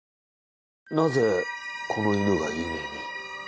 なぜこの犬が有名に？